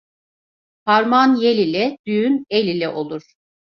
Harman yel ile, düğün el ile olur.